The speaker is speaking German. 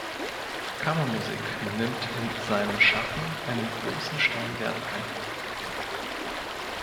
Kammermusik nimmt in seinem Schaffen einen großen Stellenwert ein.